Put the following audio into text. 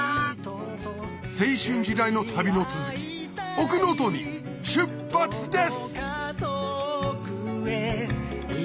青春時代の旅の続き奥能登に出発です！